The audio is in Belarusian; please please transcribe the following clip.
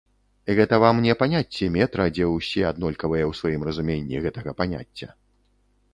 Гэта вам не паняцце метра, дзе ўсе аднолькавыя ў сваім разуменні гэтага паняцця.